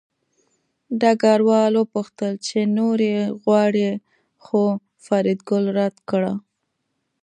ډګروال وپوښتل چې نورې غواړې خو فریدګل رد کړه